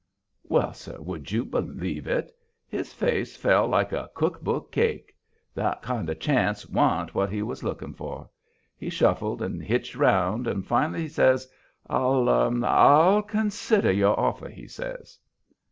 Well, sir, would you believe it? his face fell like a cook book cake. That kind of chance wa'n't what he was looking for. He shuffled and hitched around, and finally he says: "I'll Ill consider your offer," he says.